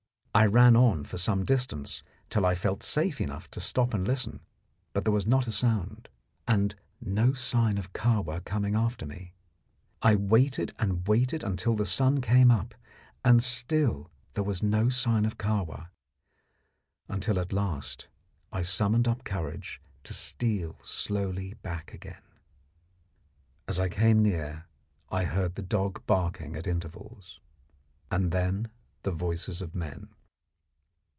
I ran on for some distance till I felt safe enough to stop and listen, but there was not a sound, and no sign of Kahwa coming after me. I waited and waited until the sun came up, and still there was no sign of Kahwa, until at last I summoned up courage to steal slowly back again. As I came near I heard the dog barking at intervals, and then the voices of men.